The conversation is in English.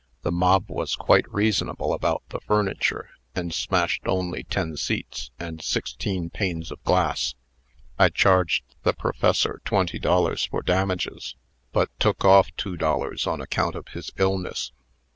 The mob was quite reasonable about the furniture, and smashed only ten seats and sixteen panes of glass. I charged the Professor twenty dollars for damages, but took off two dollars on account of his illness.